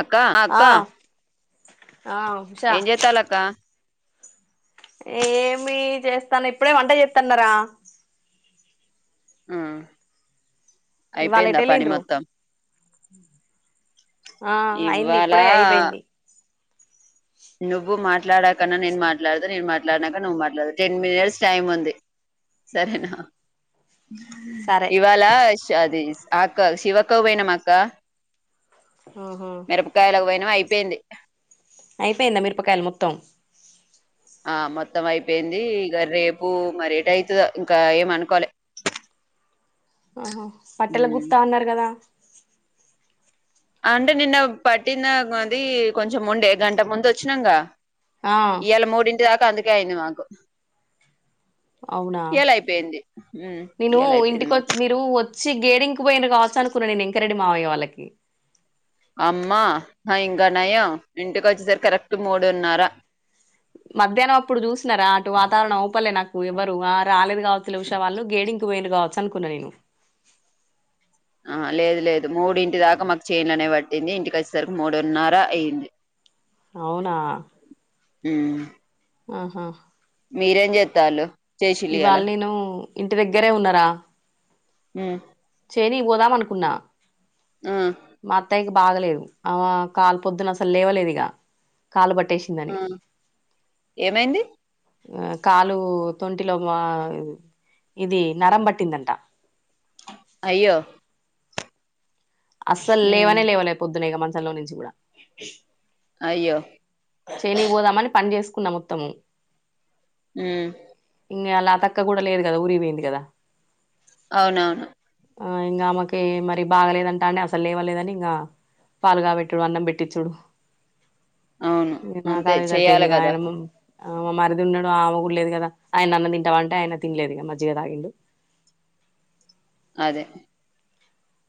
అక్క ఆ అక్కా ఆ ఉష ఏమి చేస్తను ఇప్పుడే వంట చేస్తన్నార. హ్మ్ ఇవాళ అయిపోయింద పని ఎటెళ్ళిండ్రు మొత్తం ఆ అయింది ఇవాళ ఇప్పుడే అయిపోయింది నువ్వు మాట్లాడకన్నా నేను మాట్లాడత నేను మాట్లాడినాక నువ్వు మాట్లాడు టెన్ మినిట్స్ టైం ఉంది సరేనా. సరే ఇవాళ అది అక్క శివక్కకు పొయ్యినం అక్క. ఆహా మిరపకాయల కు పోయినం అయి పెంది అయిపోయింద మిరపకాయలు మొత్తం. ఆ మొత్తం అయిపోయింది, ఇక రేపు మరేట అయితదో ఇంకా ఏమనుకోలే. అ హ పట్టెల గుప్తా అన్నారు కదా అంటే నిన్న పట్టిన అది కొంచెం ముండే గంట ముందు వచ్చినాంగ. ఆ ఇయాల మూడింటి దక్ కందికయింది మాకు అవునా ఇయాల అయిపోయింది నేను ఇయాల అయిపోయింది ఇంటికి మొత్తం వత్ మీరు వత్ చి గేడింగ్ పోయిన కావచ్చు అనుకున్నా నేను ఎంకరెడ్డి మావయ్య వాళ్ళకి. అమ్మా ఇంకా నయం ఇంటికి వచ్చేసరి కరెక్ట్ మూడున్నర. మధ్యానం అప్పుడు చూసినార అటు వాతావరణం ఉపలే నక్ ఎవరు ఆ రాలేదు కావచ్చు లే ఉషా వాళ్ళు గేడింకి పోయిండ్రు కావచ్చు అనుకున్నా నేను. ఆ లేదు లేదు మూడు ఇంటి దాక మాకు చెన్లోనే లోనే పట్టింది ఇంటికి వచ్చేసరికి మూడున్నర అయ్యింది. అవునా హ్మ్ ఆహా! మీరేం చేతాళ్ళు. ఇవాళ నేను ఇంటి దగ్గరే ఉన్నారా మ్మ్ తేనికి పోదాం అనుకున్నా ఆ మా అత్తయ్య బాగలేదు ఆ కాలు పొద్దున అసలు లేవలేదు ఇక కాలు పట్టేసిందని ఏమైంది ఆ కాలు తొంటిలో మా ఇది నరం పట్టిందంట అయ్యో అస్సల్ ఉమ్ లేవనే లేవలే పొద్దున ఇక మంచ స [unintelligible] ల్లో నుంచి కూడా అయ్యో చేనికిపోదామని పని చేసుకున్నా మొత్తము మ్మ్ ఇంకా లతక్క కూడా లేదు కదా ఊరికి పోయింది కదా అవునవును ఆ ఇంకా ఆమెకి మరి బాగలేదన్ కానే అసలు లేవలేదని ఇంకా పాలు కాబెట్టాడు అన్నం పెట్టించుడు అవును ఇగ నాకు అంతే అదే సరిపోయింది చెయాలి ఇగ కదా ఆయన ఆ మరిది ఉన్నాడు ఆమె కూడా లేదు కదా ఆయన అన్నం తింటావ అంటే ఆయన తినలేదు ఇగ మజ్జిగ తాగిండు అదే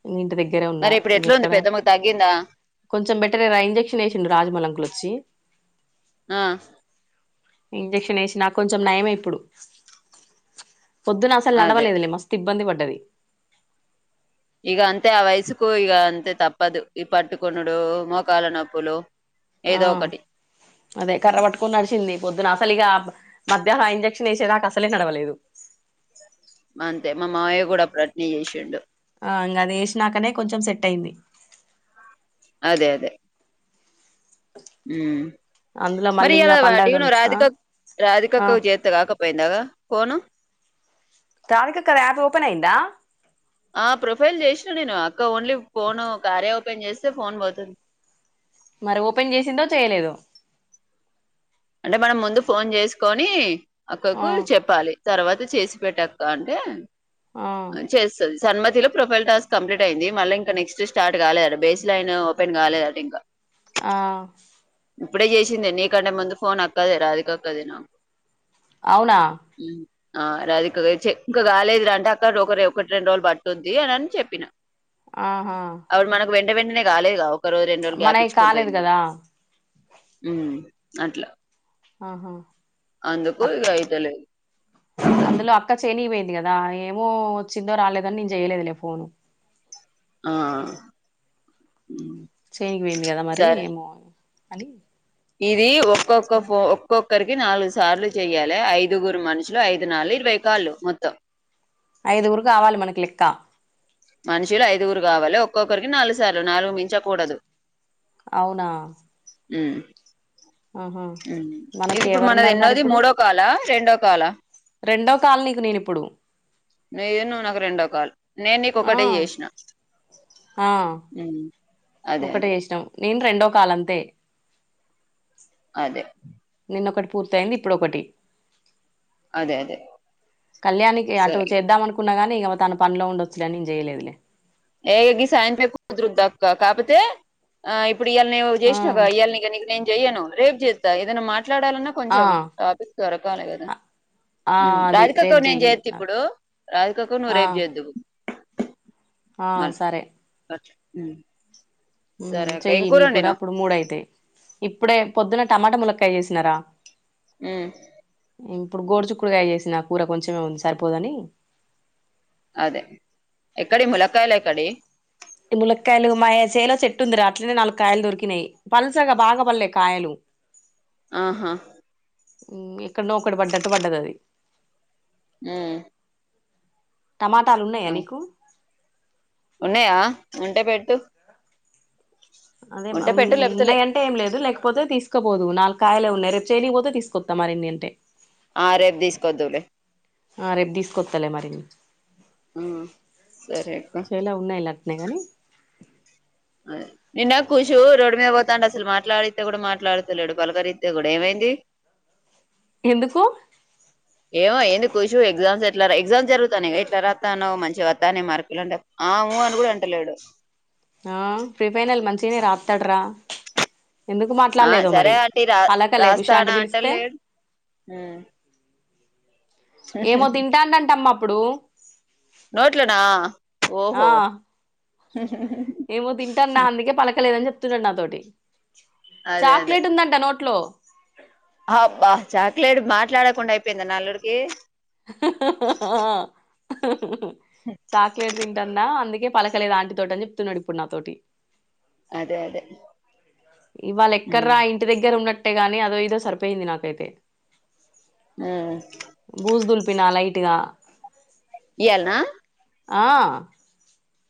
ఇంగ ఇంటి దగ్ మరి ఇప్పుడు ఎట్లా ఉంది పెద్దమ్మ కు తగ్గిందా కొంచెం బెటర్ ఏ రా ఇంజెక్షన్ వేసిండు రాజమౌళి అంకుల్ వచ్చి ఆ ఇంజెక్షన్ వేసినాకు కొంచెం నయమే ఇప్పుడు పొద్దు అసలు అదే నడవలేదు లే మస్తు ఇబ్బంది పడి అది ఇగ అంతే ఆ వయసుకు ఇగ అంతే తప్పదు ఈ పట్టుకొనుడు మోకాల నొప్పులు ఆ ఏదో ఒకటి అదే కర్ర పట్టుకొని నడిసింది పొద్దున అసలు ఇగ మధ్యానం ఆ ఇంజక్షన్ వేసేదాకా అసలే నడవలేదు అంతే మామాయ్య కూడా అప్పుడు అట్నే చేసిండు ఆ ఇంకా అది వేసినాకనే కొంచెం సెట్ అయింది అదే అదే మ్మ్ అందులో మరి మళ్ళీ ఇంగ ఇలా పండగ వాటివను్ నువు ఆ రాధిక రాధికక్క ఆ కు చేతే కాకపోయిందాగా ఫోను రాధిక అక్కది యాప్ ఓపెన్ అయిందా ఆ ప్రొఫైల్ చేసిన నేను అక్క ఓన్లీ ఫోను కార్య ఓపెన్ చేస్తే ఫోన్ పోతుంది మరి ఓపెన్ చేసిందో చేయలేదు అంటే మనం ముందు ఫోన్ చేసుకొని ఆ అక్కకు చెప్పాలి తర్వాత చేసి పెట్టక్కా అంటే ఆ చేస్తది సన్మతిలో ప్రొఫైల్ టాస్క్ కంప్లీట్ అయింది. మళ్ళ ఇంక నెక్స్ట్ స్టార్ట్ కాలేదట బేస్ లైన్ ఓపెన్ కాలేదట ఇంకా ఆ ఇప్పుడే చేసింది నీకంటే ముందు ఫోన్ అక్కదే రాధిక అక్కది నాకు అవునా ఆ రాధిక క చీ ఇంక రాలేదు రా అంటే అక్క ఒక ఒకటి రెండు రోజులు పట్టుద్ది అననీ చెప్పినా ఆహా వెంట వెంటనే రాలే గావ్ మనయి కాలేదు కదా హ్మ్ అట్లా ఆహా అందుకు అక్- ఆయితలేదు అందులో అక్క చేనికిపోయిద్ది కదా ఏమో వచ్చిద్దో రాలేదని నేను చేయలేదులే ఫోను ఆ ఉమ్, చేనికి పోయింది కద మరి సరే ఏమో అని ఇది ఒక్కొక్క సరే. ఫో ఒక్కొ ఒక్కరికి నాలుగు సార్లు చెయ్యాలె ఐదుగురు మనుషులు ఐదు నాల్లు ఇరవై కాల్లు మొత్తం ఐదుగురు కావాలి మనకు లెక్కా మనుషులు ఐదుగురు కావాలి ఒక్కొక్కరికి నాలుగు సార్లు నాలుగు మించకూడదు అవునా హ్మ్ ఆహా హ్మ్ ఇది మనకి ఇప్పుడు మనది ఎవరున్నారు మరి ఎన్నోది ఇప్పుడు మూడో కాలా రెండో కాలా రెండో కాల్ నీకు నేను ఇప్పుడు నీది నువ్వు నాకు రెండో కాల్ నేను నీకు ఆ ఒకటే చేసినా ఆ హ్మ్మ్ ఒకటే చేసినాం నేను రెండో కాలంతే అదే నిన్నొకటి పూర్తయింది ఇప్పుడొకటి అదే అదే కళ్యాణికి అటు సరే చేద్దాం అనుకున్న గాని ఇక తను పనిలో ఉండొచ్చులే అని నేను చేయలేదులే ఏయ్ గీ సాయంత్రం ఎక్కువ కుదిరిద్దక్కా కాపోతే ఆ ఇ ఇప్పుడు ఈయల్నేవో ఆ చేస్నావ్ గా ఇయ్యాల నీకు నీకు నేను చెయ్యను రేప్ జేస్తా ఏదన్నమాట్ మాట్లాడాలన్నా ఆ కొంచెం టాపిక్ దొరకాలే కదా అ ఆ అది రేపు రాదికక్కకి నేను చెయ్యి చేద్ నాకు ఇప్పుడు రాదికక్కకి నువ్వు ఆ రేపు చేద్వు ఆ సరే ఉ చెయ్యి నీ కూడా అప్పుడు మూడయితాయి ఇప్పుడే పొద్దున్న టమాటా ముల్లక్కయ చేసినారా ఊ ఇప్పుడు గోడుచుకుడుగాయ చేసిన ఆ కూర కొంచెమే ఉంది సరిపోదని అదే ఎక్కడి ములకాయల ఎక్కడి ఈ ములక్కయలు మా చేలో చెట్టు ఉందిరా అట్లనే నాలు కాయలు దొరికినాయి పలుసగా బాగా పడలే కాయలు ఆహా ఎక్కడ్నో ఒకటి పడ్డట్టు పడ్డది అది ఊ టమాటాలు ఉన్నాయా నీకు ఉన్నాయా ఉంటే పెట్టు అదే ఉంటే పెట్టు లేకపోతే లే నిన్నయ అంటే ఏం లేదు లేకపోతే తీసుకు తీసకపోదువు నాలుగు కాయలే ఉన్నాయి రేపు చేనుకీపోతే తీకొస్తా మరిన్ని అంటే ఆ రేపు తీసుకొద్దువులే ఆ రేపు తీసుకొత్తాలే మరి హ్మ్ సరే అక్క చేయలా ఉన్నాయిలే అట్నే కాని నిన్న కూషు రోడ్డు మీద పోతాండే అసలు మాట్లాడిత్తే కూడా మాట్లాడుతలేడు పలకరిత్తే కూడా ఏమైంది ఎందుకు ఏమో ఏంది కూషూ ఎగ్సామ్స్ ఏ ట్లా రా ఎగ్జామ్ జరుగుతానాయి గా ఎట్ల రాత్తా అన్నావు మంచిగా ఆత్తానాయి మార్కులు అంటే ఆ ఊ అని కూడా అంటలేడు ఆ ప్రీ ఫైనల్ మంచిగనే రాత్తాడురా ఆ సరే ఆంటీ రా విశాంటి రాస్తానా అంటే పిలిస్తే లే ఏమో తింటాండంటమ్మా ప్పుడు నోట్లోనా ఓహో తున్నడు నా తోటి అదే అదే చాక్లెట్ ఉందంట నోట్ ట్లో అబ్బా చాక్లెట్ మాట్లాడకుండా అయిపోయిందా నా అల్లుడికి చాక్లేెట్ తింటన్నా అందు గే పలకలేదు ఆంటి తోటి అని చెప్తున్నాడు ఇప్పుడు నా తోటి అదే అదే ఇవాళ ఎక్కడ్రా ఇంటి దగ్గర ఉన్నట్ అట్టే గానీ అదో ఇదో సరిపోయింది నాకైతే మ్మ్ బుజ్ దులిపిన లై ఇగ ఇయల్న ఆ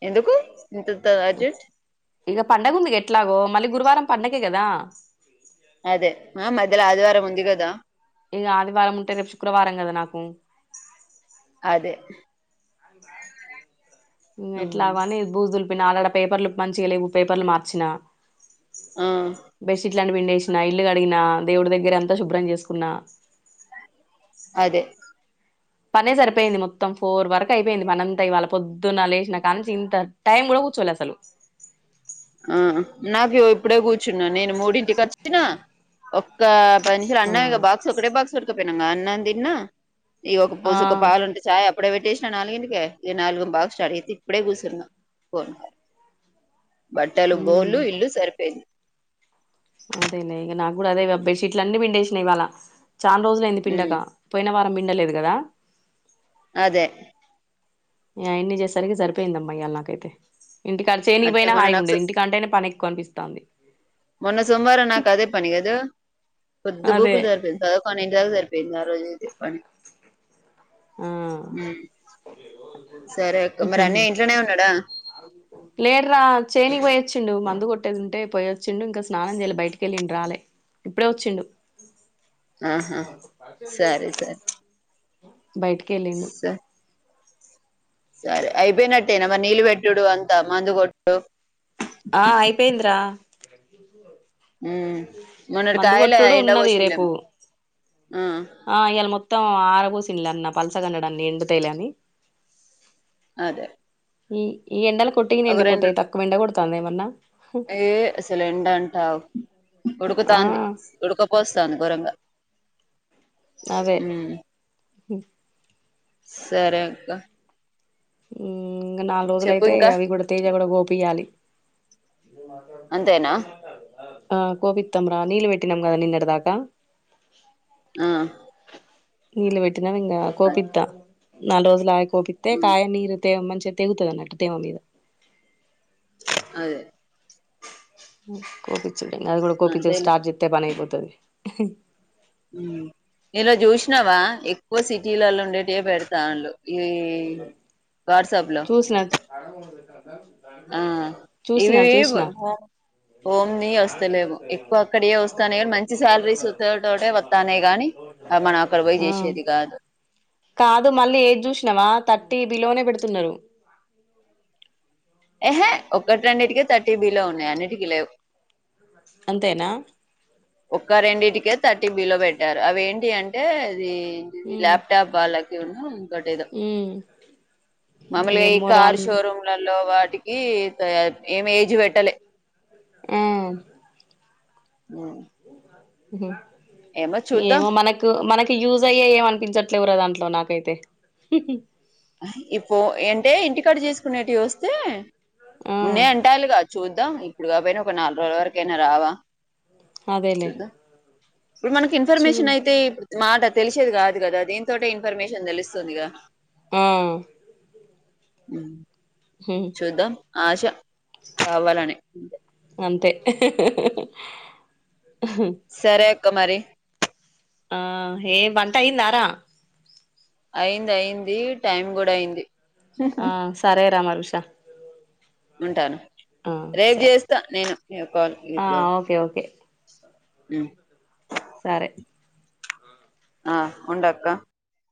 ఎందుకు ఇంత త అజేట్ ఇక పండగ ఉందిగా ఎట్లాగో మళ్ళీ గురువారం పండగే కదా అదే మధ్యలో ఆదివారం ముందిగదా ఇగ ఆదివారం ముంట శుక్రవారం కద నాకు అదే అ ఎట్లా అవును అవని భూజలు నాడడ పేపర్లుక్ మంచిగా లేవు పేపర్లు మార్చినా ఆ బట్టలు పిండేసినా ఇల్లు కడిగినా దేవుడి దగ్గర అంతా శుభ్రం చేసుకున్నా అదే పనే సరిపోయింది మొత్తం ఫోర్ వరకు అయిపోయింది పనంతా ఇవాళ పొద్దున్న లేచినా కానీసి ఇంత టైం కూడా కూర్చోలేదు అసలు ఆ నాకు ఇప్పుడే కూర్చున్నా నేను మూడింటికి వచ్చిన ఒక్క పది నిమిష ఆ అన్నం బక్స్ ఒకటే బాక్స్ అన్న తన్నా ఇ ఒక ఆ పూసు ఒక పాలుంటే చాయ ఇప్పుడ వెట్టేసిన నాలుగంటిక నాలుగు బాస్టార్ట్ అతే ఇప్పుడే కూచరున్నా పో బట్టలు బోల్లు ఉమ్ ఇల్లు సరిపోయింది గూడా అదే బెడ్షీట్లు అన్ని బిండేషన ఇవాళ చాలా రోజుల అయింది పిండగ ఉమ్ పోయిన వారం పిం తె లేదు కదా అదే అన్ని చేసరికి సరిపోయింద అమ్మా ఇయాల నాకైతే ఇంటికి అట్టే చేనిపోయినా మొన్న హాయిగా నాకు ఉండేది ఇంటికంటేనే పని ఎక్కువ అనిపిస్తుంది మొన్న సోమవారం నా కదే పని అదు కొద్దు అదే గూకులు సరిపింది సదువుకొనింటే సరి [unintelligible] ఆ సరే మరి అన్న ఇంట్లోనే ఉన్నాడా కి పోయచ్చిండు మందు కొట్టేదింటే పోయొచ్చిండు ఇంకా స్నానం చేయాలి బయటికి వెళ్ళిండు రాలే ఇప్పుడే వచ్చిండు ఆహా పస సరే మ సరే బయటికి వెళ్ళిండు సరే అయిపోయినట్టేనా మరి నీళ్ళ పెట్టుడు అంతా మందు కొట్డుడు ఆ అయిపోయింద్రా అ ఉ మన్నడుకియలే కొట్టుడు అయింట ఉన్నది రేపు పోశలేమ్మ ఆ ఆ ఇయాల మొత్తం ఆరబూసినలన్న పలసగండడాన్ని ఎండుతలని అదే ఈ ఈ ఎండలకు ఒక కొట్టికిండి రెండు పోతయి తక్కు ఎండాకో ఏమ్మన్న ఏ సిలెఎండటావు ఆ ఉడుకుతాంది ఉడకపోస్తాంది గురం ఉమ్ హమ్ సరే అక్క ఉ ఇంకా నాలుగు చెప్పు రోజులైతే ఇంకా అవి కూడా తేజ కూడా గోపియాలి అంతేనా ఆ కోవితం నీలవెటినం కాదా నిన్నటి దాకా ఆ నీలబెట్ పెట్టునా గా అ- కోపిత్తా నాలుగు రోజులా ఆగి కోపితే ఉమ్, కాయనీరు తేవ మంచిగా తెగుతుంది అన్నట్టు తేమ మీద అదే కోపి అది కూడా కోపి అంతేలే స్టార్ట్ చేతే పని హ్మ్మ్ ఇలో చూసినావా ఎక్కువ సిటీలలో ఉండేటే పెడతాండు ఈ వాట్సాప్ లో చూసిన ఆ చూసిన ఇవి చూసిన హో హోమ్ ని వస్తలేము ఎక్కువ అక్కడయ వస్తానే కానీ మంచి శాలరీస్ వోట వస్తానే గాని మనం అక్కడ పోయి ఆ చేసేది కాదు కాదు మళ్ళీ ఏది చూసినావా తట్టి బిలోనే పెడుతున్నారు ఏహే ఒ ఒకటి రన్నిటిక థర్టీ బి లో ఉన్నాయి అన్నిటికీ లేవు అంతేనా ఒక్క రెండింటికే థర్టీ బి లో పెట్టారు అవి ఏంటి అంటే అది ఇవి హ్మ్. లాప్టాప్ వాళ్ళ ఒకటిదో, ఉమ్ మామూలుగా ఈ ఏమో రా కార్ షోరూమ్లల్లో వా వాటికి ఏం ఏజ్ పెట్టలే హ్మ్మ్ హ్మ్మ్ హ్మ్మ్ చూద్దాం ఏమో మనకు మనకి యూజ్ అయ్య ఏమం కుపించట్లే ఎవరొ దాంట్లో నాకైతే ఇప్పు అంటే ఇంటికాడు చేసుకునేటివి వస్తే ఆ ఉన్నాయి అంటారుగా చూద్దాం ఇప్పుడు కాపోయినా ఒక నాలుగు రోజుల వరకయినా రావా అదేలేే చూద్దాం ఇప్పుడు మనకి ఇన్ఫర్మేషన్ అయితే మాట తెలిసేది కాదు కదా దింతోటే ఇన్ఫర్మేషన్ తెలుస్తుందిగా హ్మ్మ్ మ్ చూద్దాం ఆశ కావాలని అంతే సరే అక్క మరి ఆ ఏ వంట అయిందారా అయింది అయింది టైం కూడా అయింది ఆ సరే రామ క్ష ఉంటాను రేపు సరే చేస్తా నేను ఇగ కాల్ ఆ ఇప్పుడు ఓకే ఓకే మ్ సరే ఆ ఉండక్క